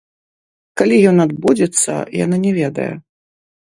Калі ён адбудзецца, яна не ведае.